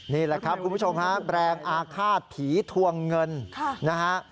นี่แหละครับคุณผู้ชมฮะแบรนด์อาฆาตผีทวงเงินนะฮะ